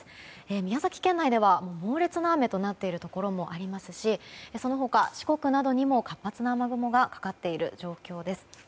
宮崎県内では猛烈な雨となっているところもありますしその他、四国などにも活発な雨雲がかかっている状況です。